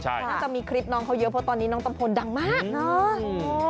น่าจะมีคลิปน้องเขาเยอะเพราะตอนนี้น้องตำพลดังมากเนาะ